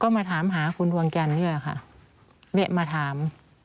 แม่มาถาม